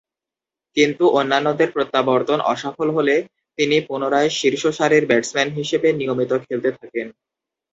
কিন্তু অন্যান্যদের প্রত্যাবর্তন অসফল হলে তিনি পুনরায় শীর্ষ সারির ব্যাটসম্যান হিসেবে নিয়মিত খেলতে থাকেন।